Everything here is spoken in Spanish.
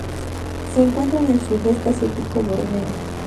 Se encuentra en el Sudeste asiático: Borneo.